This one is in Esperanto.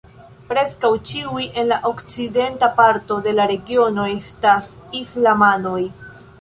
Preskaŭ ĉiuj en la okcidenta parto de la regiono estas islamanoj.